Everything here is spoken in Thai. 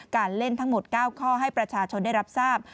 เล่นทั้งหมด๙ข้อให้ประชาชนได้รับทราบ